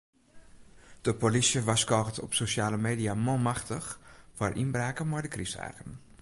De polysje warskôget op sosjale media manmachtich foar ynbraken mei de krystdagen.